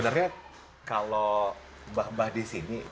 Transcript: mbak nur sebenarnya kalau mbah mbah di sini